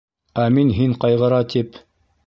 Ә мин һин ҡайғыра тип...